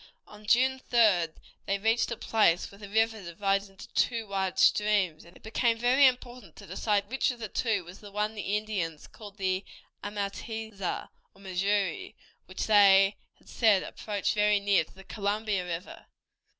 On June 3d they reached a place where the river divided into two wide streams, and it became very important to decide which of the two was the one that the Indians called the Ahmateahza, or Missouri, which they had said approached very near to the Columbia River.